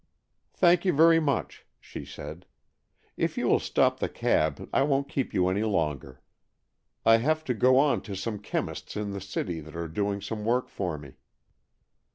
" Thank you very much," she said. " If you will stop the cab, I won't keep you any longer. I have to go on to some chemists in the City that are doing some work for me."